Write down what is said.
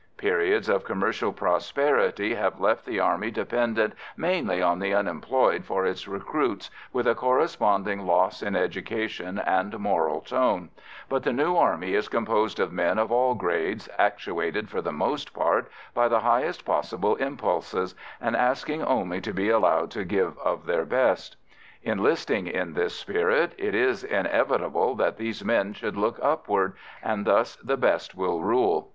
Periods of commercial prosperity have left the Army dependent mainly on the unemployed for its recruits, with a corresponding loss in education and moral tone, but the new army is composed of men of all grades, actuated for the most part by the highest possible impulses, and asking only to be allowed to give of their best. Enlisting in this spirit, it is inevitable that these men should look upward, and thus the best will rule.